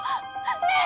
ねえ！